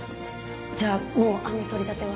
じゃあもうあんな取り立ては。